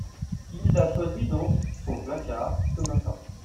il l'a choisie dans son placard ce matin.